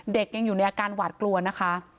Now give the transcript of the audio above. ยังอยู่ในอาการหวาดกลัวนะคะ